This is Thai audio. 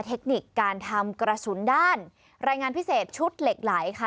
เทคนิคการทำกระสุนด้านรายงานพิเศษชุดเหล็กไหลค่ะ